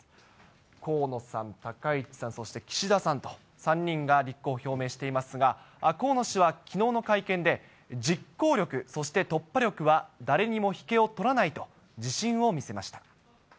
河野さん、高市さん、そして岸田さんと、３人が立候補を表明していますが、河野氏はきのうの会見で、実行力、そして突破力は誰にも引けを取らないと自信を見せました。